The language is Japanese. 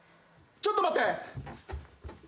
ちょっと待って。